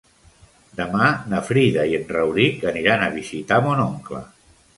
Demà na Frida i en Rauric aniran a visitar mon oncle.